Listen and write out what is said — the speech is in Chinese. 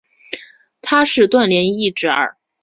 他是段廉义侄儿。